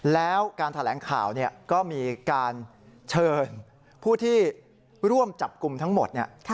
แล้วการแถลงข่าวก็มีการเชิญผู้ที่ร่วมจับกลุ่มทั้งหมด